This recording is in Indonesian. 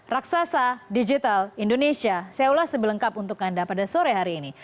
raksasa digital indonesia saya ulas sebelengkap untuk anda pada sore hari ini